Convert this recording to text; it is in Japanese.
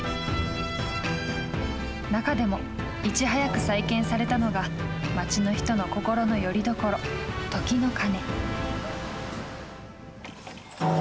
中でも、いち早く再建されたのが町の人の心のよりどころ時の鐘。